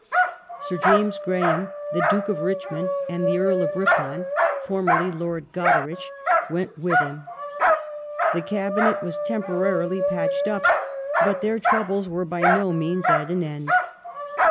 Sir James Graham, the Duke of Richmond, and the Earl of Ripon (formerly Lord Goderich) went with him. The Cabinet was temporarily patched up, but their troubles were by no means at an end.